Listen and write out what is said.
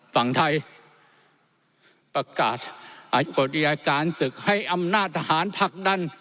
ฝั่งไทยประกาศอัดกฎิอาจารย์ศึกให้อำนาจทหารผลักดัน